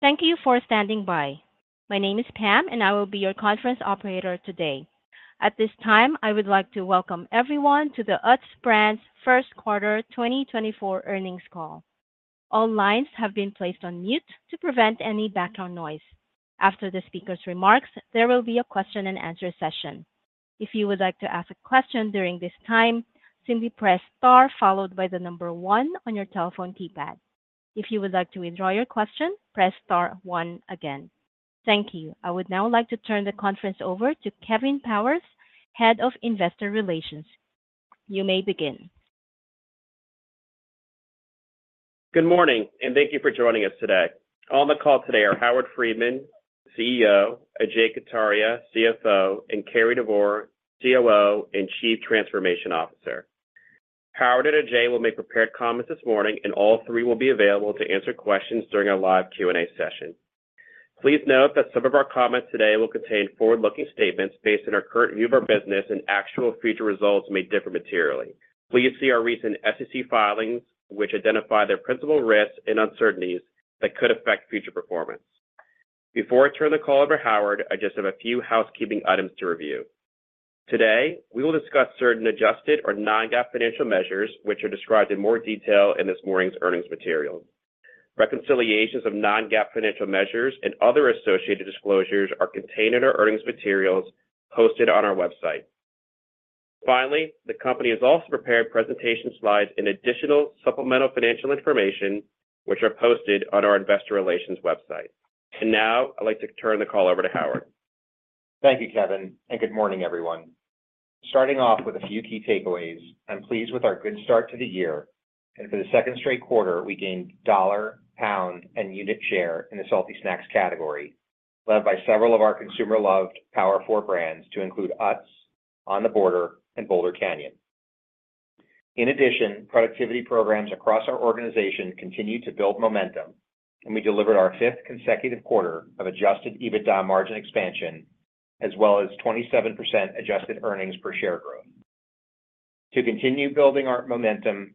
Thank you for standing by. My name is Pam, and I will be your conference operator today. At this time, I would like to welcome everyone to the Utz Brands First Quarter 2024 Earnings Call. All lines have been placed on mute to prevent any background noise. After the speaker's remarks, there will be a question and answer session. If you would like to ask a question during this time, simply press star followed by the number one on your telephone keypad. If you would like to withdraw your question, press star one again. Thank you. I would now like to turn the conference over to Kevin Powers, Head of Investor Relations. You may begin. Good morning, and thank you for joining us today. On the call today are Howard Friedman, CEO; Ajay Kataria, CFO; and Cary Devore, COO and Chief Transformation Officer. Howard and Ajay will make prepared comments this morning, and all three will be available to answer questions during our live Q&A session. Please note that some of our comments today will contain forward-looking statements based on our current view of our business, and actual future results may differ materially. Please see our recent SEC filings, which identify their principal risks and uncertainties that could affect future performance. Before I turn the call over to Howard, I just have a few housekeeping items to review. Today, we will discuss certain adjusted or non-GAAP financial measures, which are described in more detail in this morning's earnings material. Reconciliations of non-GAAP financial measures and other associated disclosures are contained in our earnings materials hosted on our website. Finally, the company has also prepared presentation slides and additional supplemental financial information, which are posted on our investor relations website. And now, I'd like to turn the call over to Howard. Thank you, Kevin, and good morning, everyone. Starting off with a few key takeaways, I'm pleased with our good start to the year, and for the second straight quarter, we gained dollar, pound, and unit share in the salty snacks category, led by several of our consumer-loved Power Four brands to include Utz, On The Border, and Boulder Canyon. In addition, productivity programs across our organization continue to build momentum, and we delivered our fifth consecutive quarter of Adjusted EBITDA margin expansion, as well as 27% adjusted earnings per share growth. To continue building our momentum,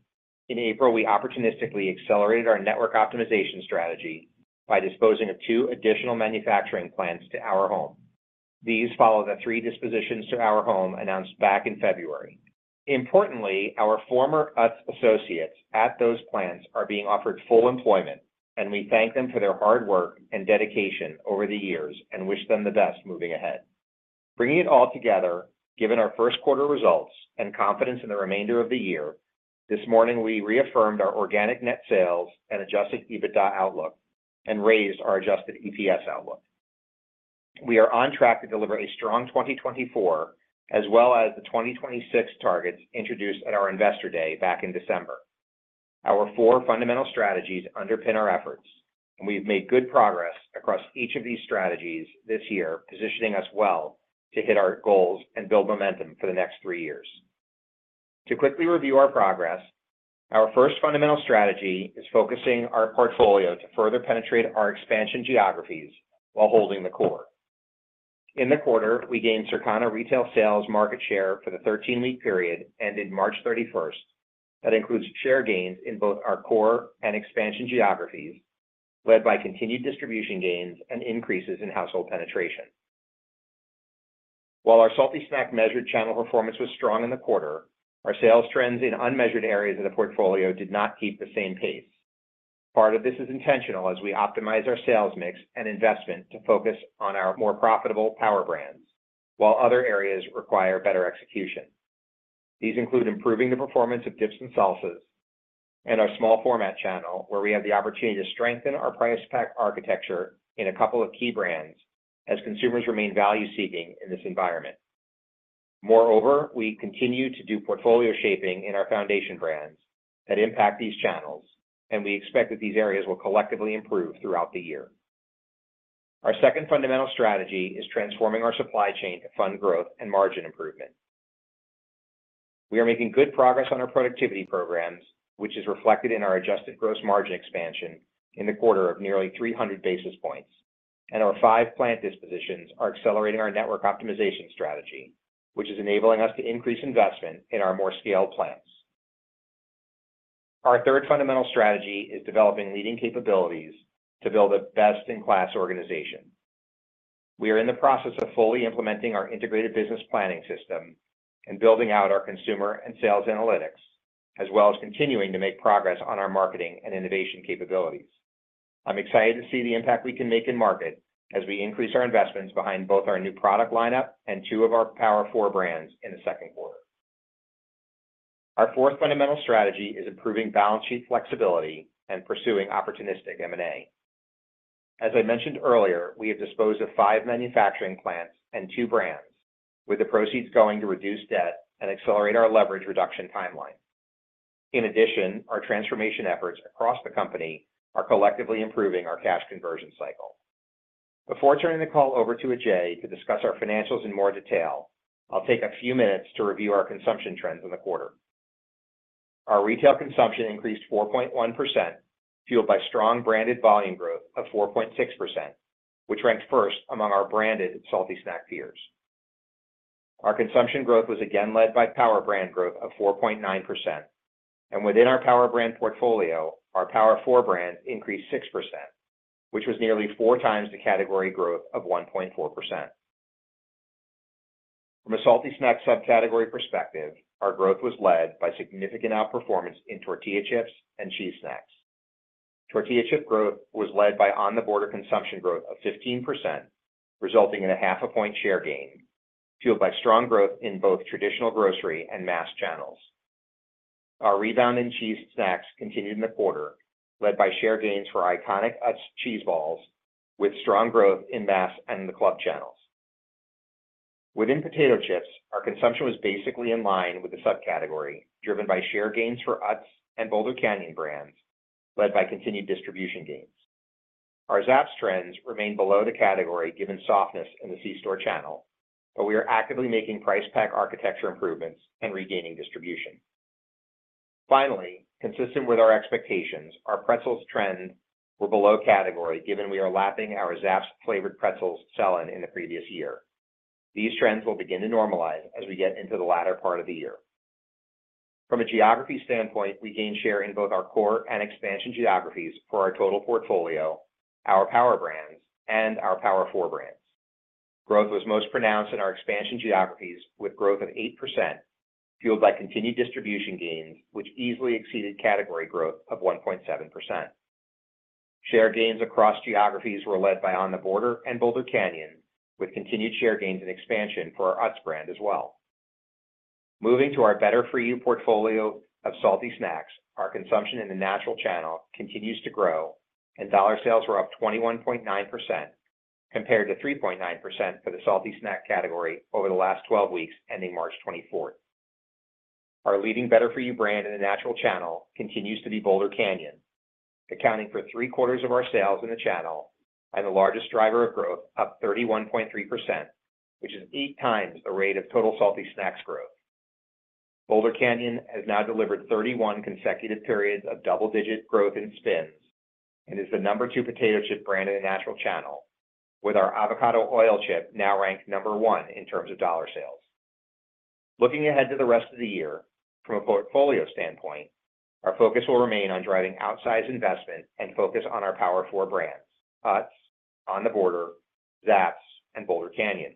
in April, we opportunistically accelerated our network optimization strategy by disposing of two additional manufacturing plants to Our Home. These follow the three dispositions to Our Home announced back in February. Importantly, our former Utz associates at those plants are being offered full employment, and we thank them for their hard work and dedication over the years and wish them the best moving ahead. Bringing it all together, given our first quarter results and confidence in the remainder of the year, this morning, we reaffirmed our organic net sales and adjusted EBITDA outlook and raised our adjusted EPS outlook. We are on track to deliver a strong 2024 as well as the 2026 targets introduced at our Investor Day back in December. Our four fundamental strategies underpin our efforts, and we've made good progress across each of these strategies this year, positioning us well to hit our goals and build momentum for the next three years. To quickly review our progress, our first fundamental strategy is focusing our portfolio to further penetrate our expansion geographies while holding the core. In the quarter, we gained Circana retail sales market share for the 13-week period, ended March 31. That includes share gains in both our core and expansion geographies, led by continued distribution gains and increases in household penetration. While our salty snack measured channel performance was strong in the quarter, our sales trends in unmeasured areas of the portfolio did not keep the same pace. Part of this is intentional as we optimize our sales mix and investment to focus on our more profitable Power Brands, while other areas require better execution. These include improving the performance of dips and salsas and our small format channel, where we have the opportunity to strengthen our price pack architecture in a couple of key brands as consumers remain value-seeking in this environment. Moreover, we continue to do portfolio shaping in our foundation brands that impact these channels, and we expect that these areas will collectively improve throughout the year. Our second fundamental strategy is transforming our supply chain to fund growth and margin improvement. We are making good progress on our productivity programs, which is reflected in our adjusted gross margin expansion in the quarter of nearly 300 basis points, and our 5-plant dispositions are accelerating our network optimization strategy, which is enabling us to increase investment in our more scaled plants. Our third fundamental strategy is developing leading capabilities to build a best-in-class organization. We are in the process of fully implementing our integrated business planning system and building out our consumer and sales analytics, as well as continuing to make progress on our marketing and innovation capabilities. I'm excited to see the impact we can make in market as we increase our investments behind both our new product lineup and 2 of our Power Four brands in the second quarter. Our fourth fundamental strategy is improving balance sheet flexibility and pursuing opportunistic M&A. As I mentioned earlier, we have disposed of 5 manufacturing plants and 2 brands, with the proceeds going to reduce debt and accelerate our leverage reduction timeline. In addition, our transformation efforts across the company are collectively improving our cash conversion cycle. Before turning the call over to Ajay to discuss our financials in more detail, I'll take a few minutes to review our consumption trends in the quarter. Our retail consumption increased 4.1%, fueled by strong branded volume growth of 4.6%, which ranked first among our branded salty snack peers.... Our consumption growth was again led by Power Brand growth of 4.9%, and within our Power Brand portfolio, our Power Four brands increased 6%, which was nearly 4x the category growth of 1.4%. From a salty snack subcategory perspective, our growth was led by significant outperformance in tortilla chips and cheese snacks. Tortilla chip growth was led by On The Border consumption growth of 15%, resulting in a 0.5-point share gain, fueled by strong growth in both traditional grocery and mass channels. Our rebound in cheese snacks continued in the quarter, led by share gains for iconic Utz Cheese Balls, with strong growth in mass and the club channels. Within potato chips, our consumption was basically in line with the subcategory, driven by share gains for Utz and Boulder Canyon brands, led by continued distribution gains. Our Zapp's trends remain below the category, given softness in the c-store channel, but we are actively making price pack architecture improvements and regaining distribution. Finally, consistent with our expectations, our pretzels trends were below category, given we are lapping our Zapp's flavored pretzels sell-in in the previous year. These trends will begin to normalize as we get into the latter part of the year. From a geography standpoint, we gained share in both our core and expansion geographies for our total portfolio, our Power Brands, and our Power Four brands. Growth was most pronounced in our expansion geographies, with growth of 8%, fueled by continued distribution gains, which easily exceeded category growth of 1.7%. Share gains across geographies were led by On The Border and Boulder Canyon, with continued share gains and expansion for our Utz brand as well. Moving to our Better For You portfolio of salty snacks, our consumption in the natural channel continues to grow, and dollar sales were up 21.9%, compared to 3.9% for the salty snack category over the last 12 weeks, ending March 24th. Our leading Better For You brand in the natural channel continues to be Boulder Canyon, accounting for three-quarters of our sales in the channel and the largest driver of growth, up 31.3%, which is 8x the rate of total salty snacks growth. Boulder Canyon has now delivered 31 consecutive periods of double-digit growth in SPINS, and is the number 2 potato chip brand in the natural channel, with our avocado oil chip now ranked number 1 in terms of dollar sales. Looking ahead to the rest of the year, from a portfolio standpoint, our focus will remain on driving outsized investment and focus on our Power Four brands: Utz, On The Border, Zapp's, and Boulder Canyon.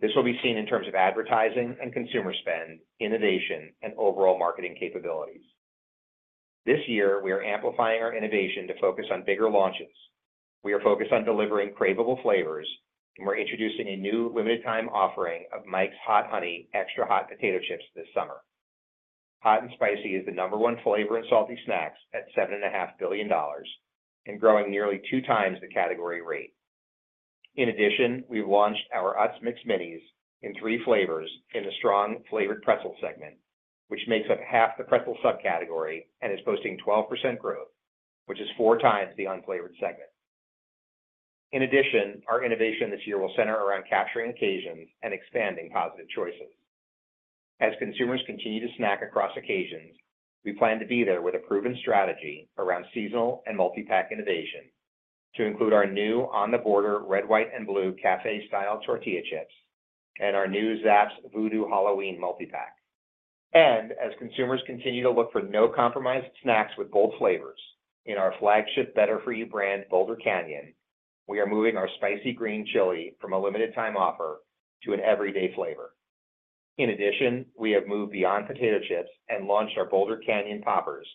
This will be seen in terms of advertising and consumer spend, innovation, and overall marketing capabilities. This year, we are amplifying our innovation to focus on bigger launches. We are focused on delivering craveable flavors, and we're introducing a new limited time offering of Mike's Hot Honey Extra Hot Potato Chips this summer. Hot and spicy is the number one flavor in salty snacks at $7.5 billion and growing nearly 2x the category rate. In addition, we've launched our Utz Mixed Minis in three flavors in the strong flavored pretzel segment, which makes up half the pretzel subcategory and is posting 12% growth, which is 4x the unflavored segment. In addition, our innovation this year will center around capturing occasions and expanding positive choices. As consumers continue to snack across occasions, we plan to be there with a proven strategy around seasonal and multi-pack innovation to include our new On The Border Red, White and Blue cafe-style tortilla chips and our new Zapp's Voodoo Halloween multi-pack. And as consumers continue to look for no-compromise snacks with bold flavors, in our flagship Better For You brand, Boulder Canyon, we are moving our spicy green chili from a limited time offer to an everyday flavor. In addition, we have moved beyond potato chips and launched our Boulder Canyon Poppers,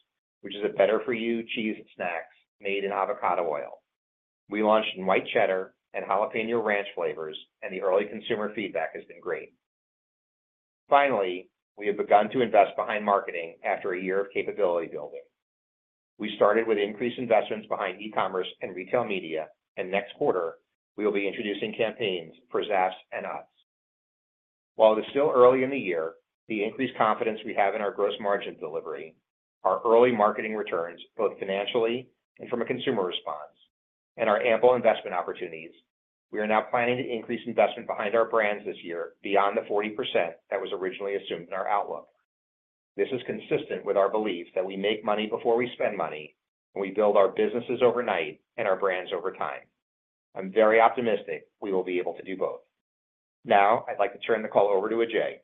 which is a Better For You cheese snacks made in avocado oil. We launched in white cheddar and jalapeño ranch flavors, and the early consumer feedback has been great. Finally, we have begun to invest behind marketing after a year of capability building. We started with increased investments behind e-commerce and retail media, and next quarter, we will be introducing campaigns for Zapp's and Utz. While it is still early in the year, the increased confidence we have in our gross margin delivery, our early marketing returns, both financially and from a consumer response, and our ample investment opportunities, we are now planning to increase investment behind our brands this year beyond the 40% that was originally assumed in our outlook. This is consistent with our belief that we make money before we spend money, and we build our businesses overnight and our brands over time. I'm very optimistic we will be able to do both. Now, I'd like to turn the call over to Ajay.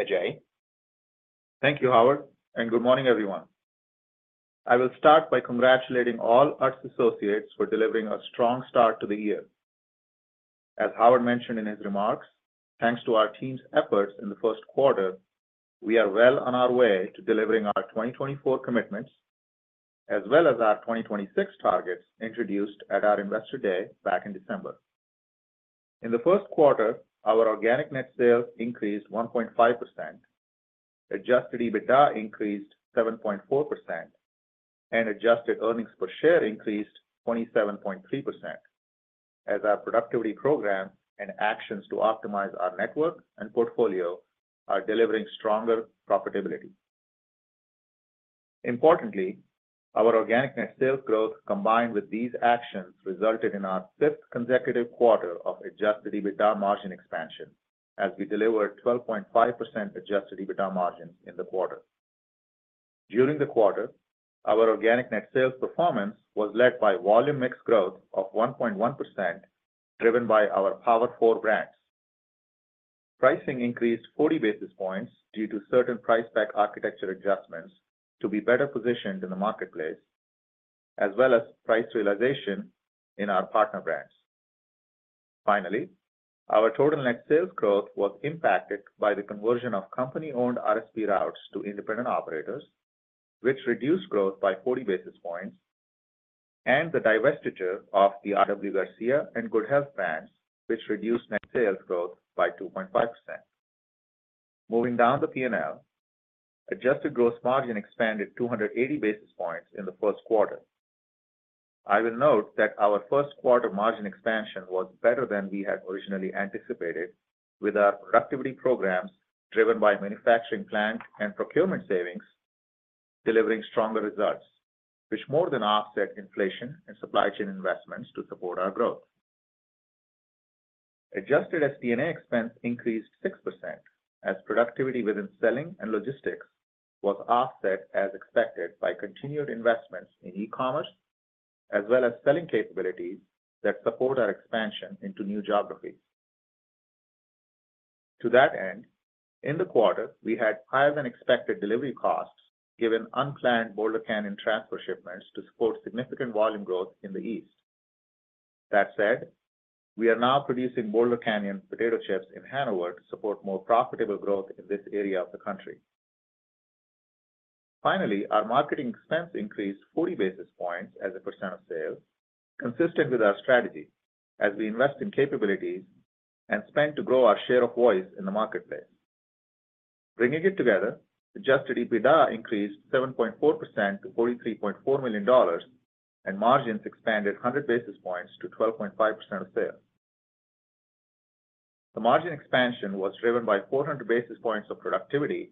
Ajay? Thank you, Howard, and good morning, everyone. I will start by congratulating all Utz associates for delivering a strong start to the year. As Howard mentioned in his remarks, thanks to our team's efforts in the first quarter, we are well on our way to delivering our 2024 commitments, as well as our 2026 targets introduced at our Investor Day back in December. In the first quarter, our organic net sales increased 1.5%, adjusted EBITDA increased 7.4%, and adjusted earnings per share increased 27.3%, as our productivity program and actions to optimize our network and portfolio are delivering stronger profitability. Importantly, our organic net sales growth, combined with these actions, resulted in our fifth consecutive quarter of adjusted EBITDA margin expansion as we delivered 12.5% adjusted EBITDA margin in the quarter. During the quarter, our organic net sales performance was led by volume mix growth of 1.1%, driven by our Power Four brands. Pricing increased 40 basis points due to certain price pack architecture adjustments to be better positioned in the marketplace, as well as price realization in our partner brands. Finally, our total net sales growth was impacted by the conversion of company-owned RSP routes to independent operators, which reduced growth by 40 basis points, and the divestiture of the RW Garcia and Good Health brands, which reduced net sales growth by 2.5%. Moving down the P&L, adjusted gross margin expanded 280 basis points in the first quarter. I will note that our first quarter margin expansion was better than we had originally anticipated, with our productivity programs driven by manufacturing plant and procurement savings delivering stronger results, which more than offset inflation and supply chain investments to support our growth. Adjusted SG&A expense increased 6%, as productivity within selling and logistics was offset as expected by continued investments in e-commerce, as well as selling capabilities that support our expansion into new geographies. To that end, in the quarter, we had higher-than-expected delivery costs, given unplanned Boulder Canyon transfer shipments to support significant volume growth in the East. That said, we are now producing Boulder Canyon potato chips in Hanover to support more profitable growth in this area of the country. Finally, our marketing expense increased 40 basis points as a percent of sales, consistent with our strategy as we invest in capabilities and spend to grow our share of voice in the marketplace. Bringing it together, Adjusted EBITDA increased 7.4% to $43.4 million, and margins expanded 100 basis points to 12.5% of sales. The margin expansion was driven by 400 basis points of productivity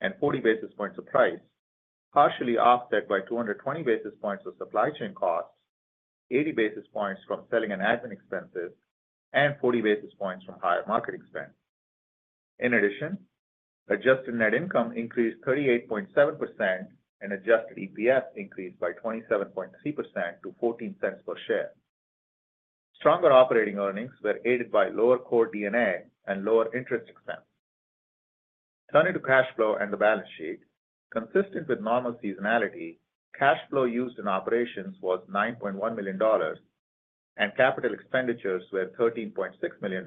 and 40 basis points of price, partially offset by 220 basis points of supply chain costs, 80 basis points from selling and admin expenses, and 40 basis points from higher marketing spend. In addition, adjusted net income increased 38.7%, and Adjusted EPS increased by 27.3% to $0.14 per share. Stronger operating earnings were aided by lower core D&A and lower interest expense. Turning to cash flow and the balance sheet, consistent with normal seasonality, cash flow used in operations was $9.1 million, and capital expenditures were $13.6 million,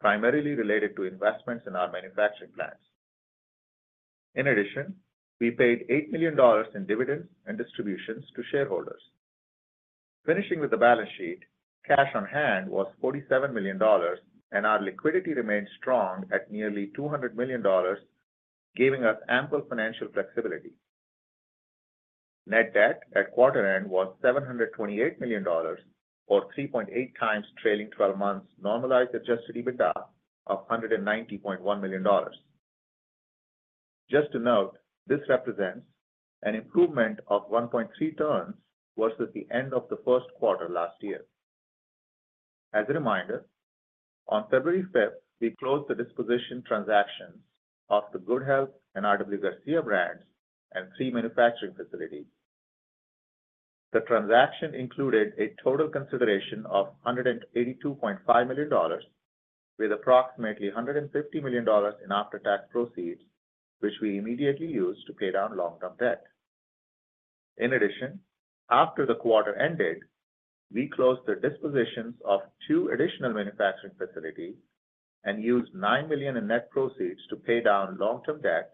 primarily related to investments in our manufacturing plants. In addition, we paid $8 million in dividends and distributions to shareholders. Finishing with the balance sheet, cash on hand was $47 million, and our liquidity remains strong at nearly $200 million, giving us ample financial flexibility. Net debt at quarter end was $728 million, or 3.8x trailing twelve months normalized, adjusted EBITDA of $190.1 million. Just to note, this represents an improvement of 1.3 turns versus the end of the first quarter last year. As a reminder, on February fifth, we closed the disposition transactions of the Good Health and RW Garcia brands and three manufacturing facilities. The transaction included a total consideration of $182.5 million, with approximately $150 million in after-tax proceeds, which we immediately used to pay down long-term debt. In addition, after the quarter ended, we closed the dispositions of two additional manufacturing facilities and used $9 million in net proceeds to pay down long-term debt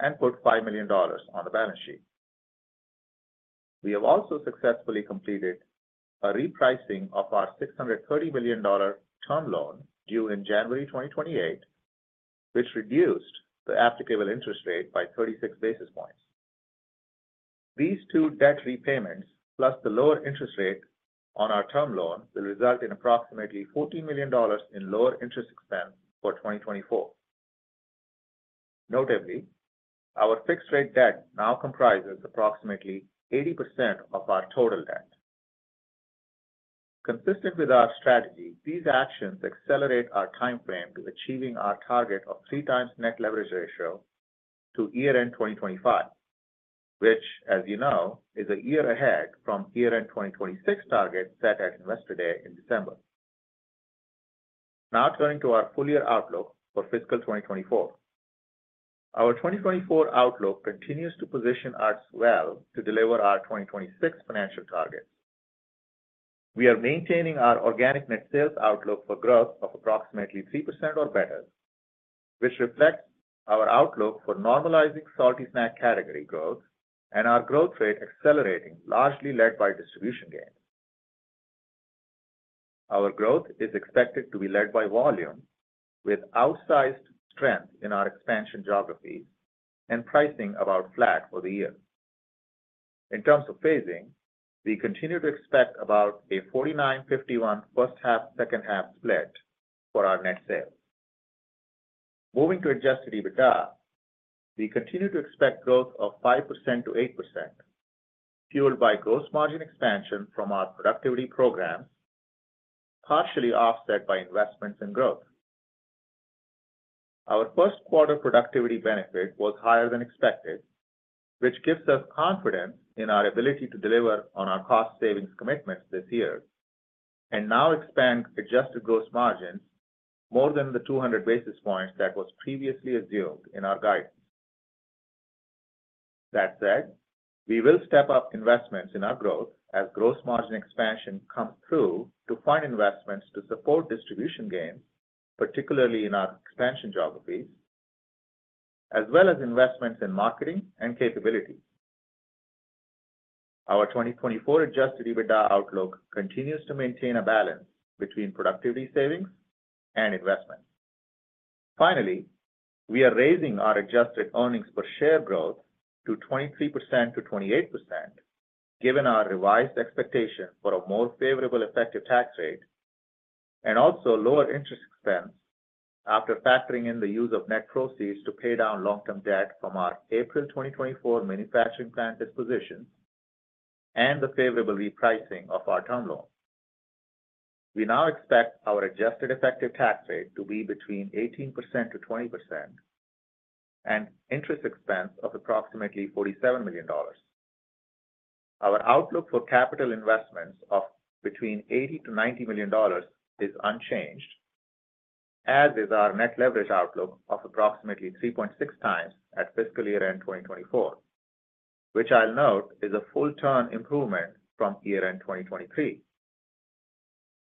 and put $5 million on the balance sheet. We have also successfully completed a repricing of our $630 million term loan due in January 2028, which reduced the applicable interest rate by 36 basis points. These two debt repayments, plus the lower interest rate on our term loan, will result in approximately $14 million in lower interest expense for 2024. Notably, our fixed rate debt now comprises approximately 80% of our total debt. Consistent with our strategy, these actions accelerate our timeframe to achieving our target of 3x net leverage ratio to year-end 2025, which, as you know, is a year ahead from year-end 2026 target set at Investor Day in December. Now turning to our full year outlook for fiscal 2024. Our 2024 outlook continues to position us well to deliver our 2026 financial targets. We are maintaining our organic net sales outlook for growth of approximately 3% or better, which reflects our outlook for normalizing salty snack category growth and our growth rate accelerating, largely led by distribution gains. Our growth is expected to be led by volume, with outsized strength in our expansion geographies and pricing about flat for the year. In terms of phasing, we continue to expect about a 49-51 first-half, second-half split for our net sales. Moving to Adjusted EBITDA, we continue to expect growth of 5%-8%, fueled by gross margin expansion from our productivity program, partially offset by investments in growth. Our first-quarter productivity benefit was higher than expected, which gives us confidence in our ability to deliver on our cost savings commitments this year, and now expands adjusted gross margins more than the 200 basis points that was previously assumed in our guidance. That said, we will step up investments in our growth as gross margin expansion come through to fund investments to support distribution gains, particularly in our expansion geographies, as well as investments in marketing and capabilities. Our 2024 Adjusted EBITDA outlook continues to maintain a balance between productivity savings and investment. Finally, we are raising our adjusted earnings per share growth to 23%-28%, given our revised expectation for a more favorable effective tax rate and also lower interest expense after factoring in the use of net proceeds to pay down long-term debt from our April 2024 manufacturing plant dispositions and the favorable repricing of our term loan. We now expect our adjusted effective tax rate to be between 18%-20% and interest expense of approximately $47 million. Our outlook for capital investments of between $80-$90 million is unchanged, as is our net leverage outlook of approximately 3.6x at fiscal year-end 2024, which I'll note is a full turn improvement from year-end 2023.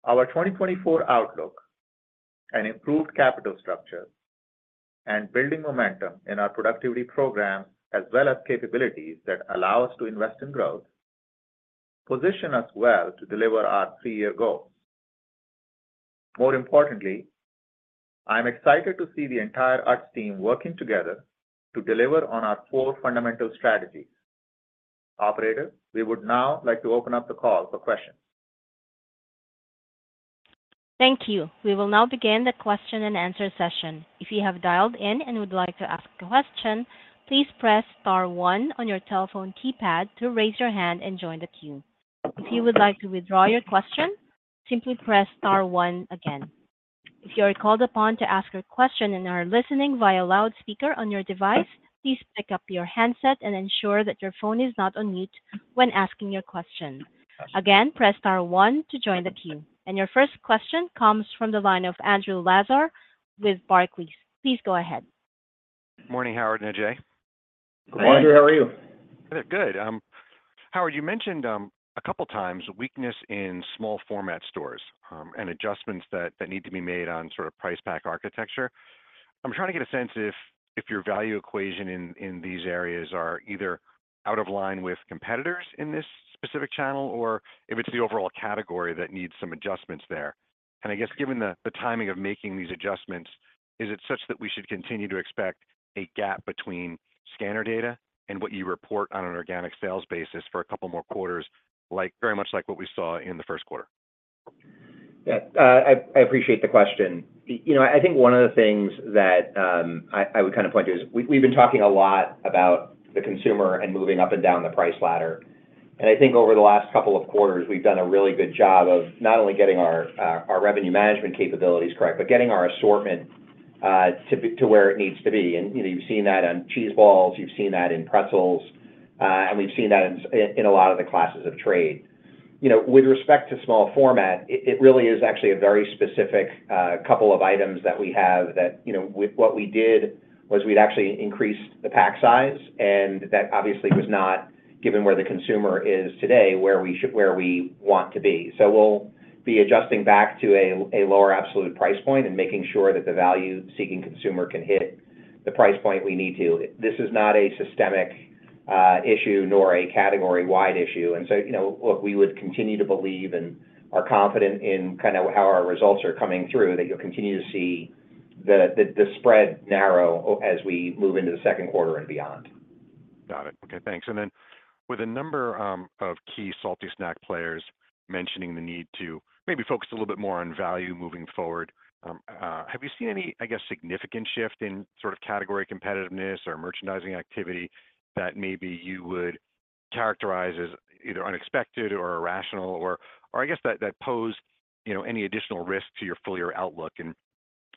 Our 2024 outlook and improved capital structure and building momentum in our productivity program, as well as capabilities that allow us to invest in growth, position us well to deliver our three-year goals. More importantly, I'm excited to see the entire Utz team working together to deliver on our four fundamental strategies. Operator, we would now like to open up the call for questions. Thank you. We will now begin the question-and-answer session. If you have dialed in and would like to ask a question, please press star one on your telephone keypad to raise your hand and join the queue. If you would like to withdraw your question, simply press star one again. If you are called upon to ask a question and are listening via loudspeaker on your device, please pick up your handset and ensure that your phone is not on mute when asking your question. Again, press star one to join the queue. And your first question comes from the line of Andrew Lazar with Barclays. Please go ahead. Morning, Howard and Ajay. Andrew, how are you? Good. Howard, you mentioned a couple times weakness in small format stores and adjustments that need to be made on sort of price pack architecture. I'm trying to get a sense if your value equation in these areas are either out of line with competitors in this specific channel, or if it's the overall category that needs some adjustments there. And I guess given the timing of making these adjustments, is it such that we should continue to expect a gap between scanner data and what you report on an organic sales basis for a couple more quarters, like very much like what we saw in the first quarter? Yeah. I appreciate the question. You know, I think one of the things that I would kind of point to is we've been talking a lot about the consumer and moving up and down the price ladder. And I think over the last couple of quarters, we've done a really good job of not only getting our revenue management capabilities correct, but getting our assortment to where it needs to be. And, you know, you've seen that on cheese balls, you've seen that in pretzels, and we've seen that in a lot of the classes of trade. You know, with respect to small format, it really is actually a very specific couple of items that we have that, you know, what we did was we'd actually increased the pack size, and that obviously was not, given where the consumer is today, where we want to be. So we'll be adjusting back to a lower absolute price point and making sure that the value-seeking consumer can hit the price point we need to. This is not a systemic issue nor a category-wide issue. And so, you know, look, we would continue to believe and are confident in kind of how our results are coming through, that you'll continue to see the spread narrow over as we move into the second quarter and beyond. Got it. Okay, thanks. And then with a number of key salty snack players mentioning the need to maybe focus a little bit more on value moving forward, have you seen any, I guess, significant shift in sort of category competitiveness or merchandising activity that maybe you would characterize as either unexpected or irrational or I guess that pose, you know, any additional risk to your full year outlook? And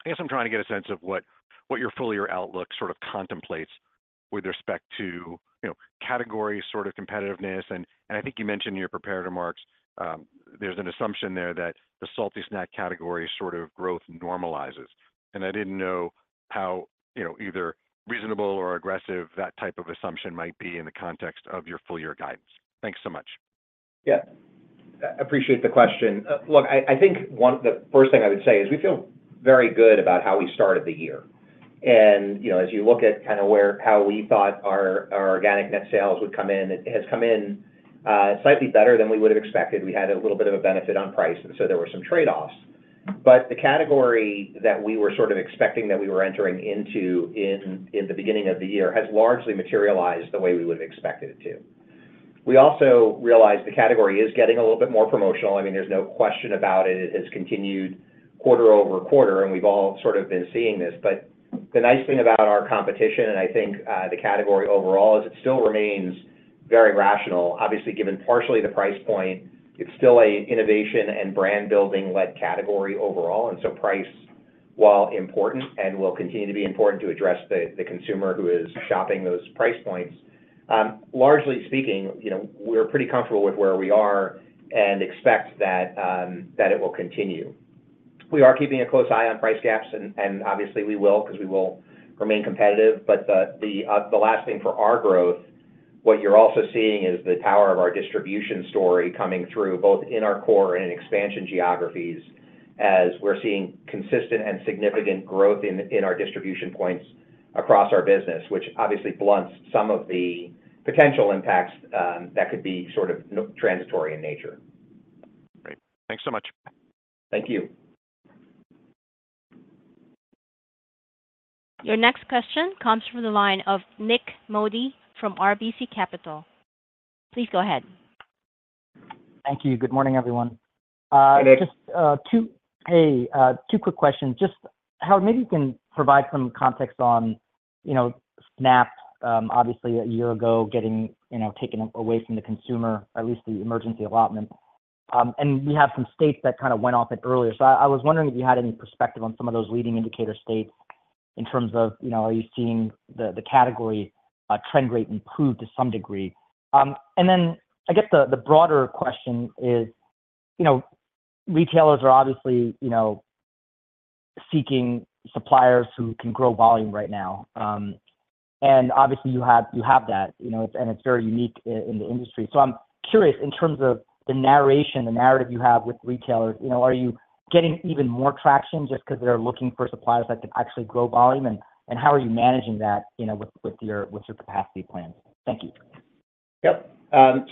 I guess I'm trying to get a sense of what your full year outlook sort of contemplates with respect to, you know, category sort of competitiveness. I think you mentioned in your prepared remarks, there's an assumption there that the salty snack category sort of growth normalizes, and I didn't know how, you know, either reasonable or aggressive that type of assumption might be in the context of your full year guidance. Thanks so much. Yeah. I appreciate the question. Look, I think one, the first thing I would say is we feel very good about how we started the year. And, you know, as you look at kind of where, how we thought our organic net sales would come in, it has come in, slightly better than we would have expected. We had a little bit of a benefit on price, and so there were some trade-offs. But the category that we were sort of expecting that we were entering into in the beginning of the year has largely materialized the way we would have expected it to. We also realize the category is getting a little bit more promotional. I mean, there's no question about it. It has continued quarter-over-quarter, and we've all sort of been seeing this. But the nice thing about our competition, and I think, the category overall, is it still remains very rational. Obviously, given partially the price point, it's still a innovation and brand-building led category overall, and so price, while important and will continue to be important to address the consumer who is shopping those price points. Largely speaking, you know, we're pretty comfortable with where we are and expect that that it will continue. We are keeping a close eye on price gaps, and obviously we will, because we will remain competitive. But the last thing for our growth, what you're also seeing is the power of our distribution story coming through, both in our core and in expansion geographies, as we're seeing consistent and significant growth in our distribution points across our business, which obviously blunts some of the potential impacts that could be sort of non-transitory in nature. Great. Thanks so much. Thank you. Your next question comes from the line of Nik Modi from RBC Capital. Please go ahead. Thank you. Good morning, everyone. Hey, Nik. Just two quick questions. Hey, Howard, maybe you can provide some context on, you know, SNAP, obviously, a year ago, getting, you know, taken away from the consumer, at least the emergency allotment. And we have some states that kind of went off it earlier. So I was wondering if you had any perspective on some of those leading indicator states in terms of, you know, are you seeing the category trend rate improve to some degree? And then I guess the broader question is, you know, retailers are obviously, you know, seeking suppliers who can grow volume right now. And obviously you have that, you know, and it's very unique in the industry. So I'm curious, in terms of the narration, the narrative you have with retailers, you know, are you getting even more traction just because they're looking for suppliers that can actually grow volume? And how are you managing that, you know, with your capacity plans? Thank you. Yep.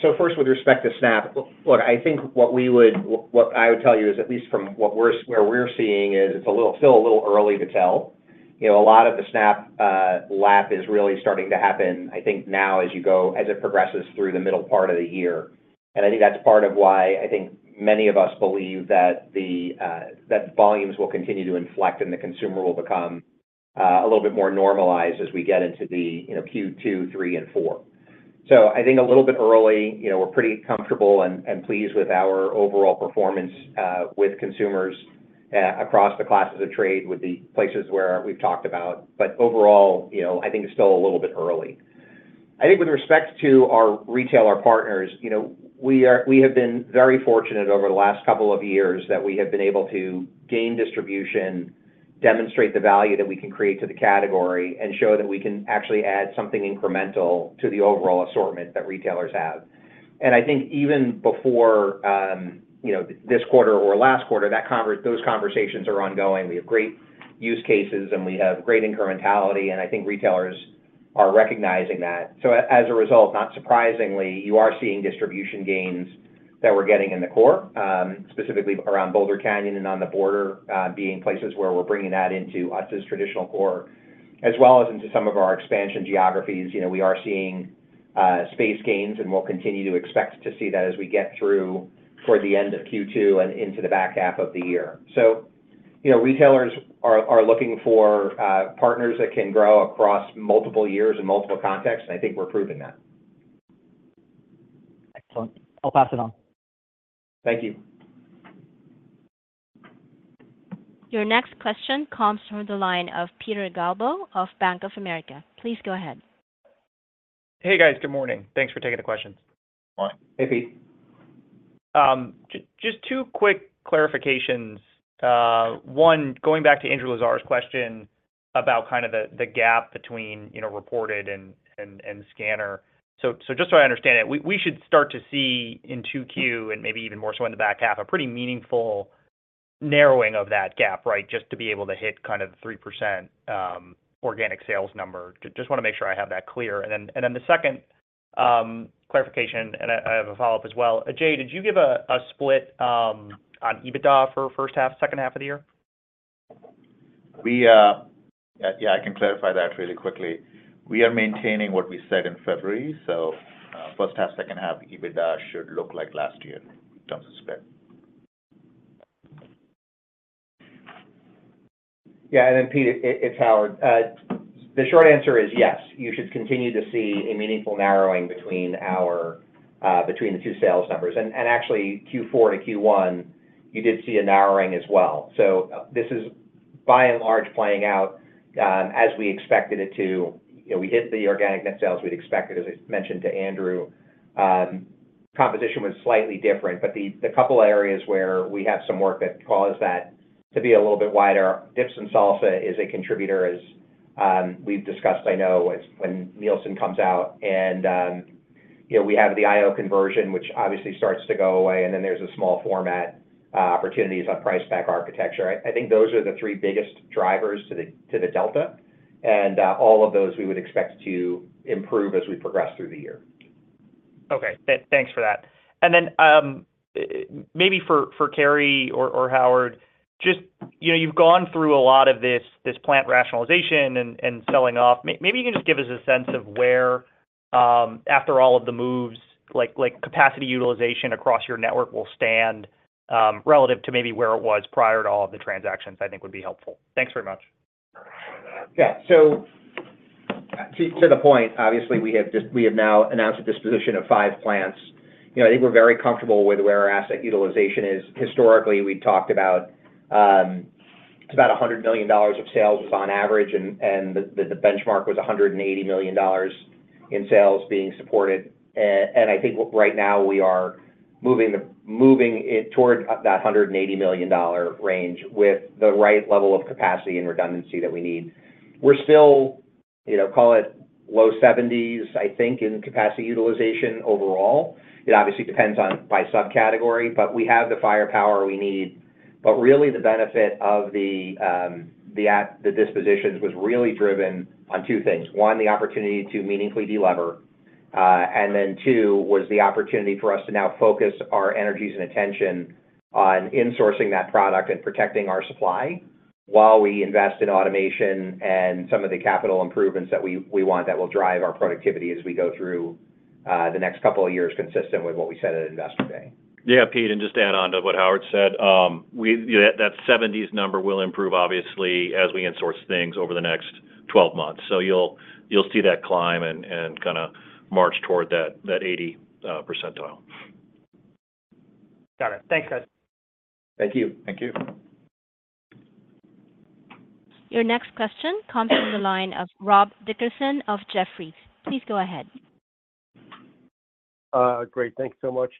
So first, with respect to SNAP, I think what I would tell you is, at least from what we're seeing, it's still a little early to tell. You know, a lot of the SNAP lapse is really starting to happen, I think now as it progresses through the middle part of the year. And I think that's part of why I think many of us believe that volumes will continue to inflect and the consumer will become a little bit more normalized as we get into the, you know, Q2, three, and four. So I think a little bit early, you know, we're pretty comfortable and pleased with our overall performance with consumers across the classes of trade, with the places where we've talked about. Overall, you know, I think it's still a little bit early. I think with respect to our retailer partners, you know, we are—we have been very fortunate over the last couple of years that we have been able to gain distribution, demonstrate the value that we can create to the category, and show that we can actually add something incremental to the overall assortment that retailers have. I think even before, you know, this quarter or last quarter, those conversations are ongoing. We have great use cases, and we have great incrementality, and I think retailers are recognizing that. So as a result, not surprisingly, you are seeing distribution gains that we're getting in the core, specifically around Boulder Canyon and On The Border, being places where we're bringing that into us as traditional core, as well as into some of our expansion geographies. You know, we are seeing space gains, and we'll continue to expect to see that as we get through toward the end of Q2 and into the back half of the year. So, you know, retailers are looking for partners that can grow across multiple years and multiple contexts, and I think we're proving that. Excellent. I'll pass it on. Thank you. Your next question comes from the line of Peter Galbo of Bank of America. Please go ahead. Hey, guys. Good morning. Thanks for taking the questions. Good morning. Hey, Pete. Just two quick clarifications. One, going back to Andrew Lazar's question about kind of the gap between, you know, reported and scanner. So just so I understand it, we should start to see in 2Q, and maybe even more so in the back half, a pretty meaningful narrowing of that gap, right? Just to be able to hit kind of the 3% organic sales number. Just wanna make sure I have that clear. And then the second clarification, and I have a follow-up as well. Jay, did you give a split on EBITDA for first half, second half of the year? We... Yeah, yeah, I can clarify that really quickly. We are maintaining what we said in February, so, first half, second half, EBITDA should look like last year in terms of spend. Yeah, and then Pete, it's Howard. The short answer is yes, you should continue to see a meaningful narrowing between our, between the two sales numbers. And actually, Q4 to Q1, you did see a narrowing as well. So this is, by and large, playing out as we expected it to. You know, we hit the organic net sales we'd expected, as I mentioned to Andrew. Composition was slightly different, but the couple areas where we have some work that caused that to be a little bit wider, dips and salsa is a contributor, as we've discussed, I know, as when Nielsen comes out. And you know, we have the IO conversion, which obviously starts to go away, and then there's a small format opportunities on price pack architecture. I think those are the three biggest drivers to the delta, and all of those we would expect to improve as we progress through the year. Okay. Thanks for that. And then, maybe for Cary or Howard, just, you know, you've gone through a lot of this plant rationalization and selling off. Maybe you can just give us a sense of where, after all of the moves, like, capacity utilization across your network will stand, relative to maybe where it was prior to all of the transactions. I think would be helpful. Thanks very much. Yeah. So, to, to the point, obviously, we have just-- we have now announced a disposition of five plants. You know, I think we're very comfortable with where our asset utilization is. Historically, we talked about it's about $100 million of sales on average, and the benchmark was $180 million in sales being supported. And I think right now we are moving it toward that $180 million range with the right level of capacity and redundancy that we need. We're still, you know, call it low 70s, I think, in capacity utilization overall. It obviously depends on by subcategory, but we have the firepower we need. But really, the benefit of the dispositions was really driven on two things. One, the opportunity to meaningfully delever, and then two, was the opportunity for us to now focus our energies and attention on insourcing that product and protecting our supply while we invest in automation and some of the capital improvements that we want, that will drive our productivity as we go through the next couple of years, consistent with what we said at Investor Day. Yeah, Pete, and just to add on to what Howard said, yeah, that 70s number will improve, obviously, as we insource things over the next 12 months. So you'll see that climb and kinda march toward that 80 percentile. Got it. Thanks, guys. Thank you. Thank you. Your next question comes from the line of Rob Dickerson of Jefferies. Please go ahead. Great. Thank you so much.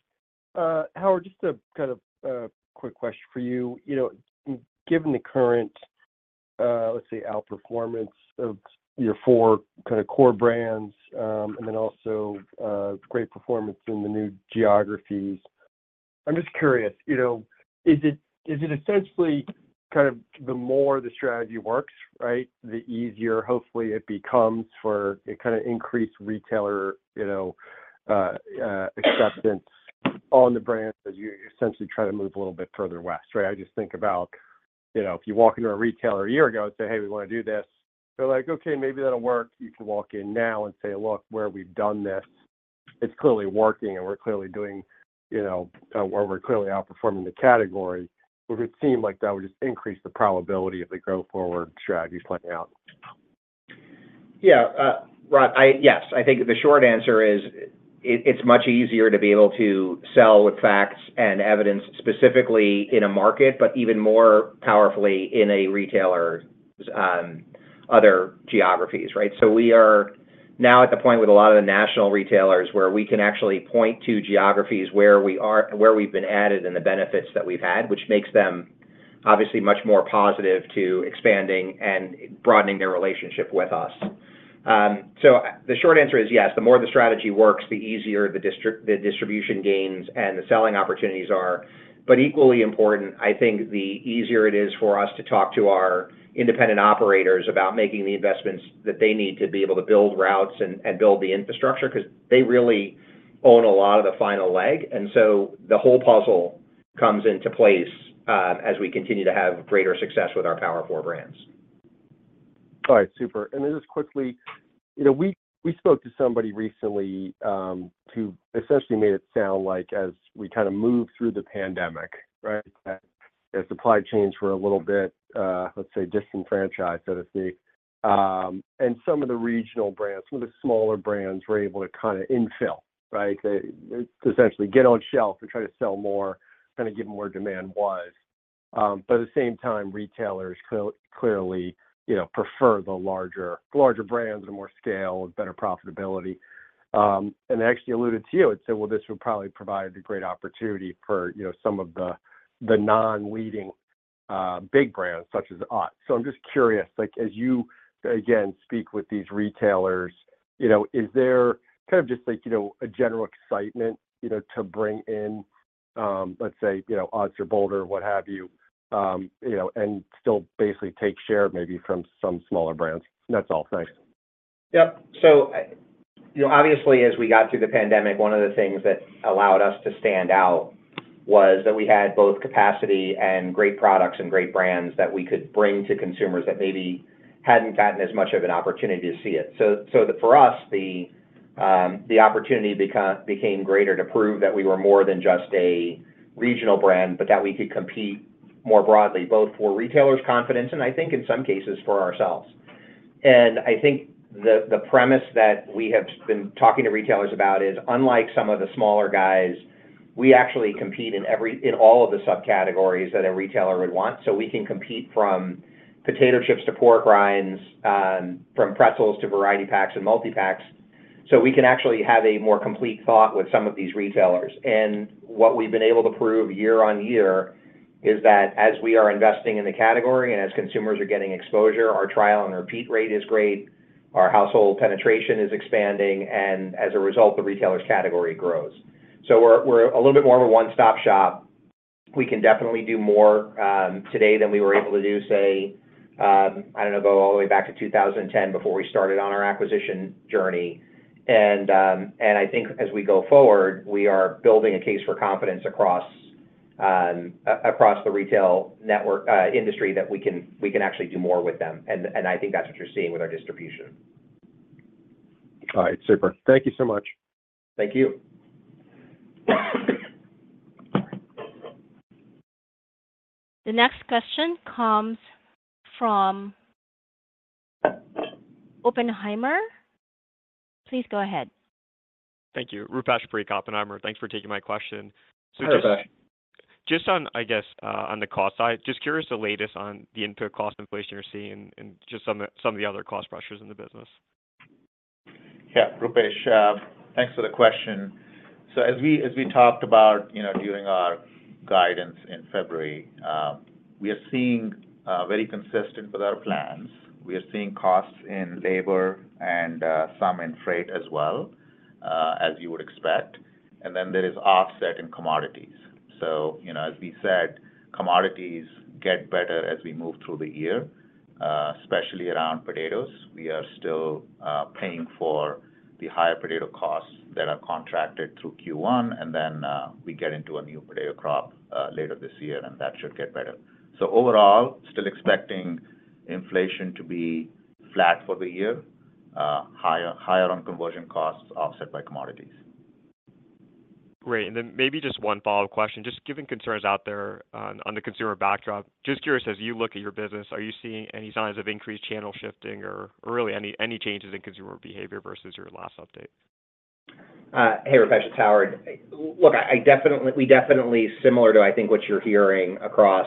Howard, just a kind of a quick question for you. You know, given the current, let's say, outperformance of your four kind of core brands, and then also great performance in the new geographies, I'm just curious, you know, is it essentially kind of the more the strategy works, right, the easier, hopefully, it becomes for a kinda increased retailer, you know, acceptance on the brand, as you essentially try to move a little bit further West, right? I just think about, you know, if you walk into a retailer a year ago and say, "Hey, we wanna do this," they're like, "Okay, maybe that'll work." You can walk in now and say, "Look, where we've done this, it's clearly working, and we're clearly doing, you know... Or we're clearly outperforming the category." Would it seem like that would just increase the probability of the go-forward strategy playing out? Yeah. Rob, yes, I think the short answer is, it's much easier to be able to sell with facts and evidence, specifically in a market, but even more powerfully in a retailer, other geographies, right? So we are now at the point with a lot of the national retailers, where we can actually point to geographies where we've been added, and the benefits that we've had, which makes them obviously much more positive to expanding and broadening their relationship with us. So the short answer is yes. The more the strategy works, the easier the distribution gains and the selling opportunities are. But equally important, I think, the easier it is for us to talk to our independent operators about making the investments that they need to be able to build routes and build the infrastructure, because they really own a lot of the final leg. And so the whole puzzle comes into place as we continue to have greater success with our Power Four brands. All right. Super. And then just quickly, you know, we spoke to somebody recently, who essentially made it sound like as we kinda moved through the pandemic, right, that the supply chains were a little bit, let's say, disenfranchised, so to speak. And some of the regional brands, some of the smaller brands, were able to kinda infill, right? They essentially get on shelf and try to sell more, kinda get more demand-wise. But at the same time, retailers clearly, you know, prefer the larger brands and more scale and better profitability. They actually alluded to you and said, "Well, this would probably provide a great opportunity for, you know, some of the non-leading big brands, such as us." So I'm just curious, like, as you again speak with these retailers, you know, is there kind of just like, you know, a general excitement, you know, to bring in, let's say, you know, Utz or Boulder, what have you, you know, and still basically take share maybe from some smaller brands? That's all. Thanks. Yep. So, you know, obviously, as we got through the pandemic, one of the things that allowed us to stand out was that we had both capacity and great products and great brands that we could bring to consumers that maybe hadn't gotten as much of an opportunity to see it. So, so for us, the, the opportunity became greater to prove that we were more than just a regional brand, but that we could compete more broadly, both for retailers' confidence, and I think in some cases, for ourselves. And I think the, the premise that we have been talking to retailers about is, unlike some of the smaller guys, we actually compete in all of the subcategories that a retailer would want. So we can compete from potato chips to pork rinds, from pretzels to variety packs and multi-packs. So we can actually have a more complete thought with some of these retailers. What we've been able to prove year-on-year is that as we are investing in the category and as consumers are getting exposure, our trial and repeat rate is great, our household penetration is expanding, and as a result, the retailers' category grows. So we're a little bit more of a one-stop shop. We can definitely do more today than we were able to do, say, I don't know, go all the way back to 2010 before we started on our acquisition journey. And I think as we go forward, we are building a case for confidence across the retail network, industry, that we can actually do more with them. And I think that's what you're seeing with our distribution. All right. Super. Thank you so much. Thank you. The next question comes from Oppenheimer. Please go ahead. Thank you. Rupesh Parikh, Oppenheimer. Thanks for taking my question. Hi, Rupesh. Just on, I guess, on the cost side, just curious, the latest on the input cost inflation you're seeing and just some of the other cost pressures in the business? Yeah. Rupesh, thanks for the question. So as we, as we talked about, you know, during our guidance in February, we are seeing very consistent with our plans. We are seeing costs in labor and some in freight as well, as you would expect, and then there is offset in commodities. So, you know, as we said, commodities get better as we move through the year, especially around potatoes. We are still paying for the higher potato costs that are contracted through Q1, and then we get into a new potato crop later this year, and that should get better. So overall, still expecting inflation to be flat for the year, higher, higher on conversion costs, offset by commodities. Great. And then maybe just one follow-up question. Just given concerns out there on the consumer backdrop, just curious, as you look at your business, are you seeing any signs of increased channel shifting or, really any changes in consumer behavior versus your last update? Hey, Rupesh, it's Howard. Look, I definitely—we definitely similar to, I think, what you're hearing across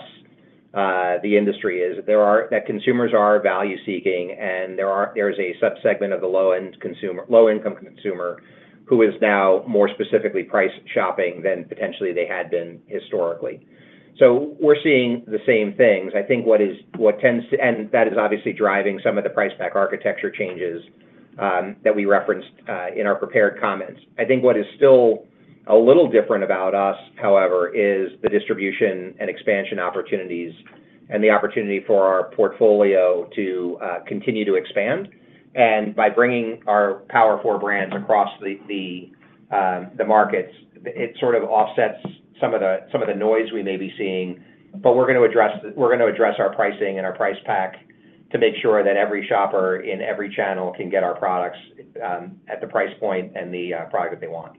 the industry is that consumers are value-seeking, and there's a subsegment of the low-end consumer—low-income consumer who is now more specifically price shopping than potentially they had been historically. So we're seeing the same things. I think what is—what tends to. And that is obviously driving some of the price pack architecture changes that we referenced in our prepared comments. I think what is still a little different about us, however, is the distribution and expansion opportunities and the opportunity for our portfolio to continue to expand. And by bringing our powerful brands across the markets, it sort of offsets some of the noise we may be seeing, but we're going to address our pricing and our price pack to make sure that every shopper in every channel can get our products at the price point and the product that they want.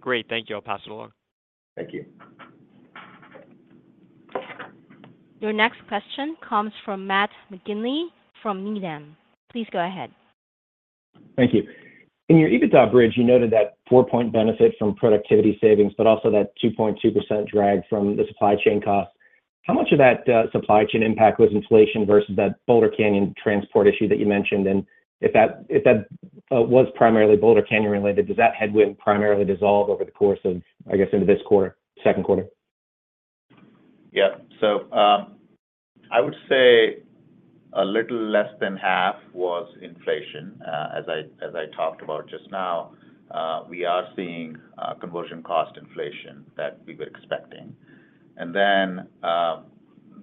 Great. Thank you. I'll pass it along. Thank you. Your next question comes from Matt McGinley from Needham. Please go ahead. Thank you. In your EBITDA bridge, you noted that 4-point benefit from productivity savings, but also that 2.2% drag from the supply chain costs. How much of that, supply chain impact was inflation versus that Boulder Canyon transport issue that you mentioned? And if that, if that, was primarily Boulder Canyon-related, does that headwind primarily dissolve over the course of, I guess, into this quarter, second quarter? Yeah. So, I would say a little less than half was inflation. As I, as I talked about just now, we are seeing conversion cost inflation that we were expecting. And then,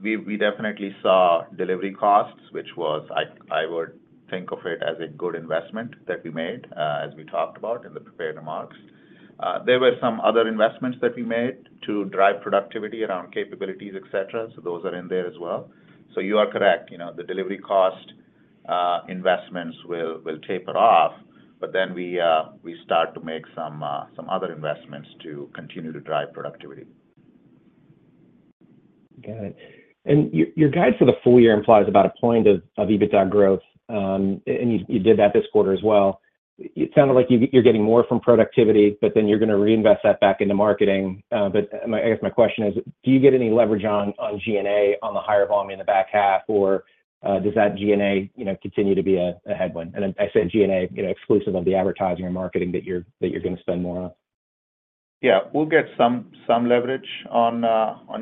we definitely saw delivery costs, which was, I would think of it as a good investment that we made, as we talked about in the prepared remarks. There were some other investments that we made to drive productivity around capabilities, et cetera, so those are in there as well. So you are correct. You know, the delivery cost investments will taper off, but then we start to make some other investments to continue to drive productivity. Got it. And your guide for the full year implies about a point of EBITDA growth, and you did that this quarter as well. It sounded like you're getting more from productivity, but then you're going to reinvest that back into marketing. But, I guess my question is: Do you get any leverage on G&A, on the higher volume in the back half, or, does that G&A, you know, continue to be a headwind? And I said, G&A, you know, exclusive of the advertising and marketing that you're going to spend more on. Yeah. We'll get some leverage on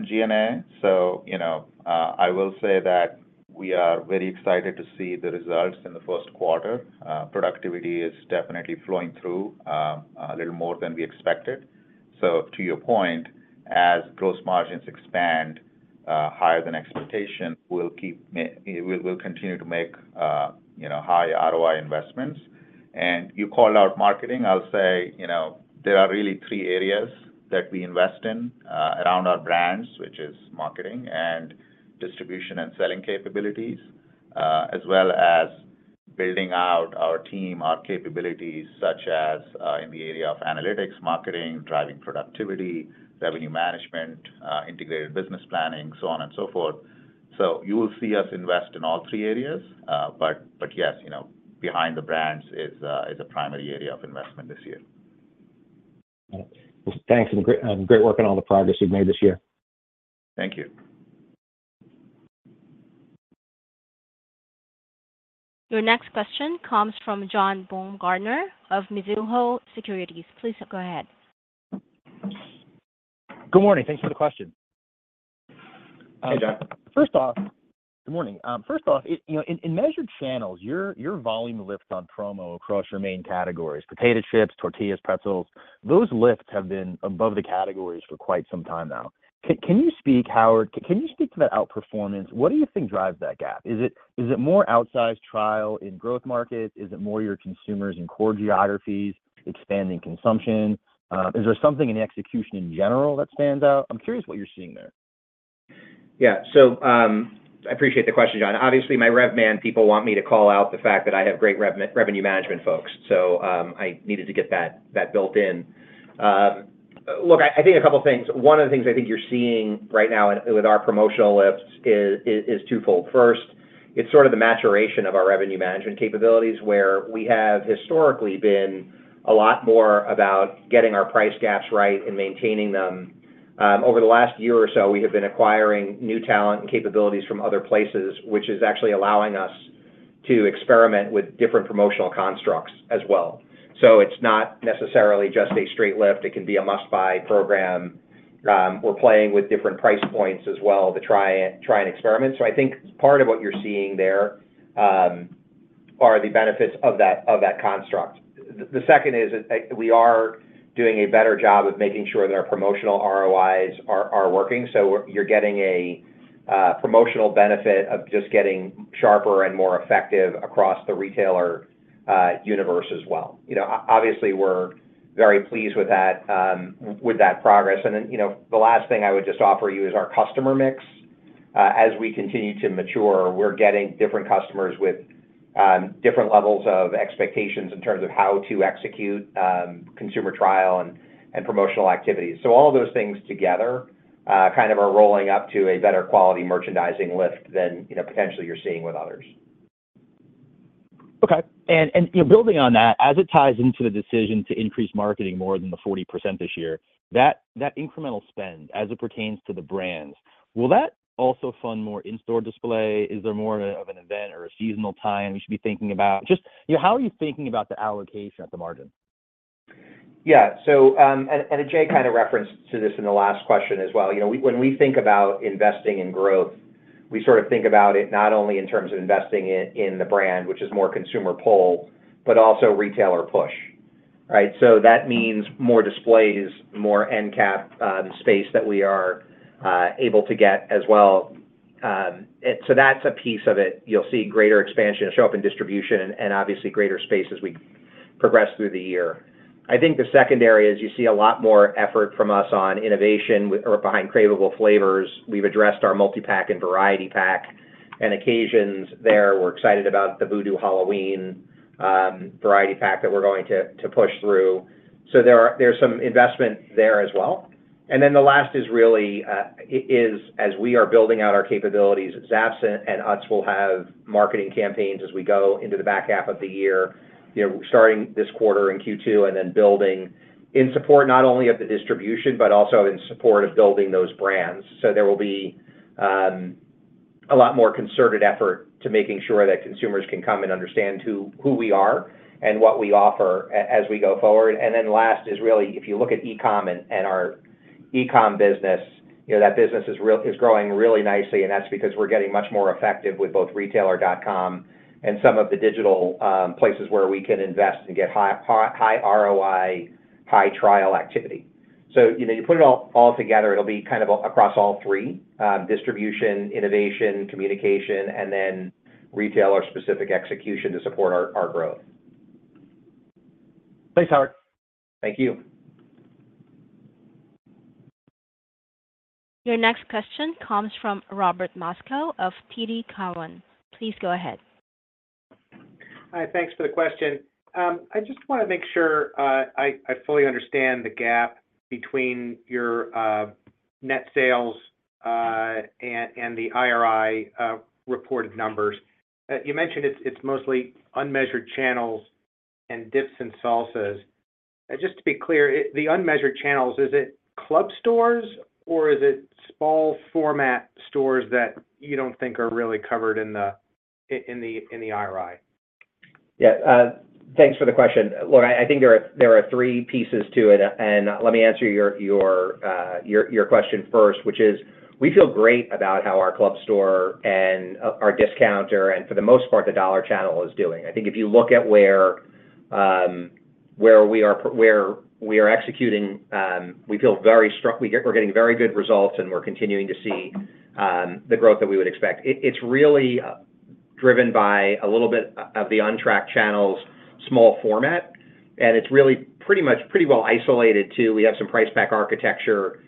G&A. So, you know, I will say that we are very excited to see the results in the first quarter. Productivity is definitely flowing through, a little more than we expected. So to your point, as gross margins expand, higher than expectation, we'll continue to make, you know, high ROI investments. And you called out marketing. I'll say, you know, there are really three areas that we invest in, around our brands, which is marketing and distribution and selling capabilities, as well as building out our team, our capabilities, such as in the area of analytics, marketing, driving productivity, revenue management, integrated business planning, so on and so forth. So you will see us invest in all three areas. But yes, you know, behind the brands is a primary area of investment this year. Got it. Thanks, and great, great work on all the progress you've made this year. Thank you. Your next question comes from John Baumgartner of Mizuho Securities. Please go ahead. Good morning. Thanks for the question. Hey, John. First off... Good morning. First off, you know, in measured channels, your volume lifts on promo across your main categories, potato chips, tortillas, pretzels. Those lifts have been above the categories for quite some time now. Can you speak, Howard, to that outperformance? What do you think drives that gap? Is it more outsized trial in growth markets? Is it more your consumers in core geographies, expanding consumption? Is there something in the execution in general that stands out? I'm curious what you're seeing there. Yeah. So, I appreciate the question, John. Obviously, my revenue management people want me to call out the fact that I have great revenue management folks, so I needed to get that built in. Look, I think a couple of things. One of the things I think you're seeing right now with our promotional lifts is twofold. First, it's sort of the maturation of our revenue management capabilities, where we have historically been a lot more about getting our price gaps right and maintaining them. Over the last year or so, we have been acquiring new talent and capabilities from other places, which is actually allowing us to experiment with different promotional constructs as well. So it's not necessarily just a straight lift. It can be a must-buy program. We're playing with different price points as well to try and experiment. So I think part of what you're seeing there are the benefits of that construct. The second is that we are doing a better job of making sure that our promotional ROIs are working, so you're getting a promotional benefit of just getting sharper and more effective across the retailer universe as well. You know, obviously, we're very pleased with that with that progress. And then, you know, the last thing I would just offer you is our customer mix. As we continue to mature, we're getting different customers with different levels of expectations in terms of how to execute consumer trial and promotional activities. All of those things together, kind of are rolling up to a better quality merchandising lift than, you know, potentially you're seeing with others. Okay. And, and, you know, building on that, as it ties into the decision to increase marketing more than the 40% this year, that, that incremental spend, as it pertains to the brands, will that also fund more in-store display? Is there more of an event or a seasonal time we should be thinking about? Just, you know, how are you thinking about the allocation at the margin? Yeah. So, and Jay kind of referenced to this in the last question as well. You know, when we think about investing in growth, we sort of think about it not only in terms of investing in the brand, which is more consumer pull, but also retailer push, right? So that means more displays, more end cap space that we are able to get as well. And so that's a piece of it. You'll see greater expansion show up in distribution and obviously greater space as we progress through the year. I think the second area is you see a lot more effort from us on innovation with or behind craveable flavors. We've addressed our multi-pack and variety pack and occasions there. We're excited about the Voodoo Halloween variety pack that we're going to push through. So there are. There's some investment there as well. And then the last is really, is as we are building out our capabilities, Zapp's and Utz will have marketing campaigns as we go into the back half of the year, you know, starting this quarter in Q2 and then building in support not only of the distribution, but also in support of building those brands. So there will be, a lot more concerted effort to making sure that consumers can come and understand who we are and what we offer as we go forward. And then last is really, if you look at e-com and our e-com business, you know, that business is growing really nicely, and that's because we're getting much more effective with both retailer.com and some of the digital places where we can invest and get high, high ROI, high trial activity. So, you know, you put it all, all together, it'll be kind of across all three: distribution, innovation, communication, and then retailer-specific execution to support our, our growth. Thanks, Howard. Thank you. Your next question comes from Robert Moskow of TD Cowen. Please go ahead. Hi, thanks for the question. I just want to make sure I fully understand the gap between your net sales and the IRI reported numbers. You mentioned it's mostly unmeasured channels and dips and salsas. Just to be clear, it, the unmeasured channels, is it club stores or is it small format stores that you don't think are really covered in the IRI? Yeah, thanks for the question. Look, I think there are three pieces to it, and let me answer your question first, which is: We feel great about how our club store and our discounter and for the most part, the dollar channel is doing. I think if you look at where we are executing, we feel very strong. We're getting very good results, and we're continuing to see the growth that we would expect. It's really driven by a little bit of the untracked channels, small format, and it's really pretty much pretty well isolated, too. We have some price pack architecture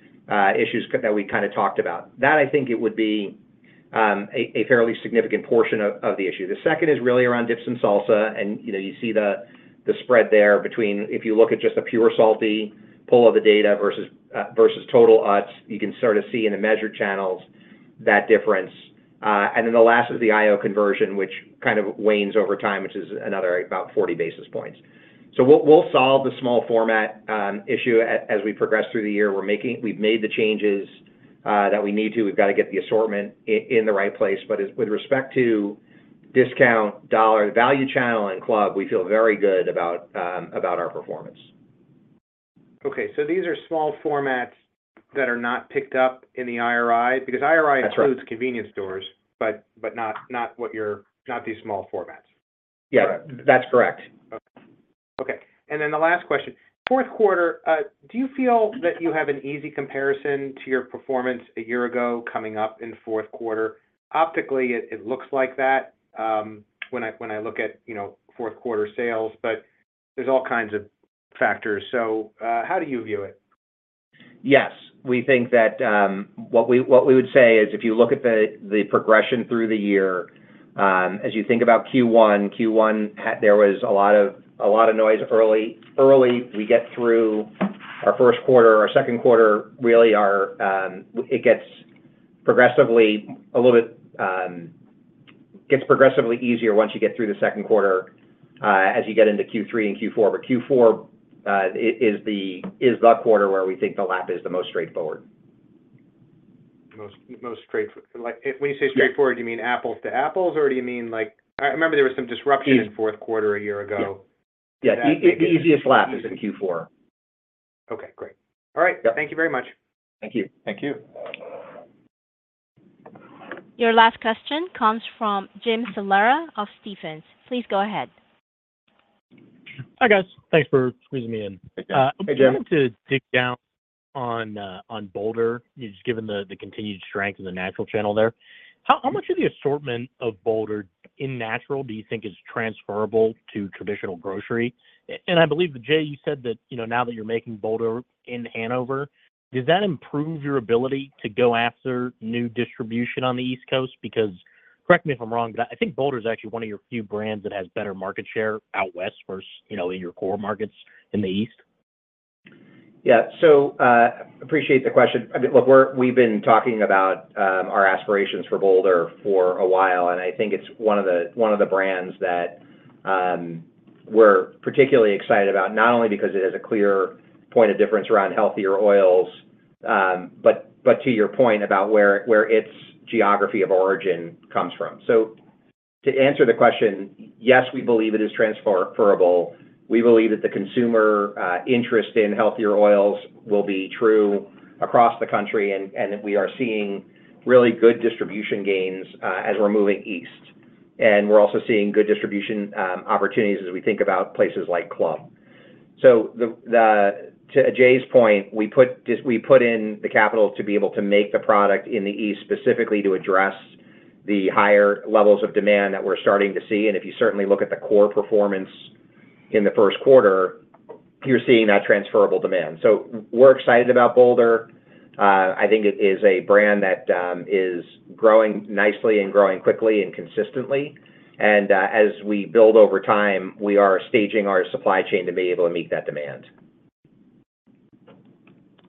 issues that we kinda talked about. That, I think, would be a fairly significant portion of the issue. The second is really around dips and salsa, and, you know, you see the spread there between if you look at just a pure salty pull of the data versus versus total Utz, you can sort of see in the measured channels that difference. And then the last is the IO conversion, which kind of wanes over time, which is another about 40 basis points. So we'll solve the small format issue as we progress through the year. We're making-- We've made the changes that we need to. We've got to get the assortment in the right place. But with respect to discount, dollar, value channel, and club, we feel very good about our performance. Okay, so these are small formats that are not picked up in the IRI? That's right. Because IRI includes convenience stores, but not what you're—not these small formats. Yeah, that's correct. Okay. And then the last question: fourth quarter, do you feel that you have an easy comparison to your performance a year ago, coming up in fourth quarter? Optically, it looks like that, when I look at, you know, fourth quarter sales, but there's all kinds of factors. So, how do you view it? Yes, we think that what we would say is if you look at the progression through the year, as you think about Q1. Q1 had a lot of noise early. We get through our first quarter, our second quarter. It gets progressively a little bit easier once you get through the second quarter, as you get into Q3 and Q4. But Q4 is the quarter where we think the lap is the most straightforward. Most straightforward—like, if when you say straightforward- Yeah. Do you mean apples to apples, or do you mean like... I remember there was some disruption- Yes. In fourth quarter a year ago. Yeah. Yeah, the easiest lap is in Q4. Okay, great. All right. Yeah. Thank you very much. Thank you. Thank you. Your last question comes from Jim Salera of Stephens. Please go ahead. Hi, guys. Thanks for squeezing me in. Hey, Jim. Hey, Jim. I'm going to dig down on Boulder, just given the continued strength of the natural channel there. How much of the assortment of Boulder in natural do you think is transferable to traditional grocery? And I believe, Jay, you said that, you know, now that you're making Boulder in Hanover, does that improve your ability to go after new distribution on the East Coast? Because correct me if I'm wrong, but I think Boulder is actually one of your few brands that has better market share out West versus, you know, in your core markets in the East. Yeah. So, appreciate the question. I mean, look, we've been talking about our aspirations for Boulder for a while, and I think it's one of the brands that we're particularly excited about, not only because it has a clear point of difference around healthier oils, but to your point about where its geography of origin comes from. So to answer the question, yes, we believe it is transferable. We believe that the consumer interest in healthier oils will be true across the country, and that we are seeing really good distribution gains as we're moving East. And we're also seeing good distribution opportunities as we think about places like Club. So the, the... To Jay's point, we put in the capital to be able to make the product in the East, specifically to address the higher levels of demand that we're starting to see. And if you certainly look at the core performance in the first quarter, you're seeing that transferable demand. So we're excited about Boulder. I think it is a brand that is growing nicely and growing quickly and consistently. And as we build over time, we are staging our supply chain to be able to meet that demand.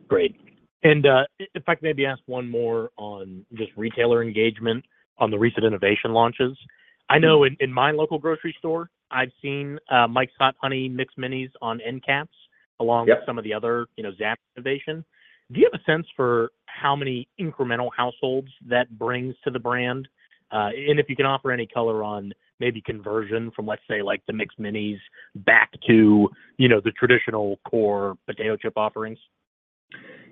Great. If I may maybe ask one more on just retailer engagement on the recent innovation launches. Mm-hmm. I know in my local grocery store, I've seen Mike's Hot Honey Mixed Minis on end caps- Yep along with some of the other, you know, Zapp's innovation. Do you have a sense for how many incremental households that brings to the brand? And if you can offer any color on maybe conversion from, let's say, like the Mixed Minis back to, you know, the traditional core potato chip offerings.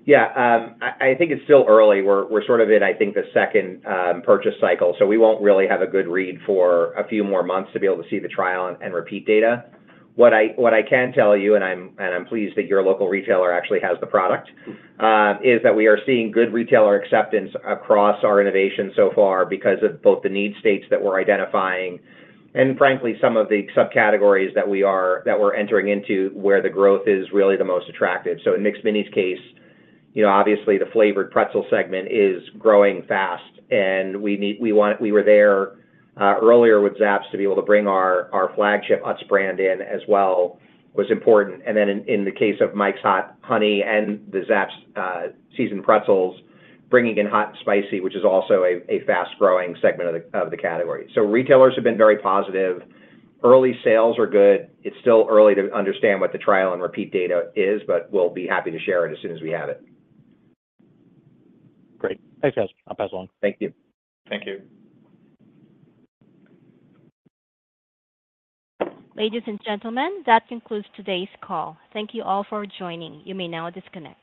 Yeah, I, I think it's still early. We're, we're sort of in, I think, the second, purchase cycle. So we won't really have a good read for a few more months to be able to see the trial and repeat data. What I, what I can tell you, and I'm, and I'm pleased that your local retailer actually has the product, is that we are seeing good retailer acceptance across our innovation so far because of both the need states that we're identifying and frankly, some of the subcategories that we are-- that we're entering into, where the growth is really the most attractive. So in Mixed Minis case, you know, obviously the flavored pretzel segment is growing fast, and we need-- we want-- we were there, earlier with Zapp's to be able to bring our, our flagship Utz brand in as well, was important. And then in the case of Mike's Hot Honey and the Zapp's seasoned pretzels, bringing in hot and spicy, which is also a fast-growing segment of the category. So retailers have been very positive. Early sales are good. It's still early to understand what the trial and repeat data is, but we'll be happy to share it as soon as we have it. Great. Thanks, guys. I'll pass along. Thank you. Thank you. Ladies and gentlemen, that concludes today's call. Thank you all for joining. You may now disconnect.